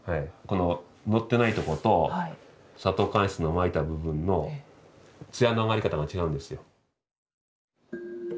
こののってないとこと砂糖乾漆のまいた部分の艶のあがり方が違うんですよ。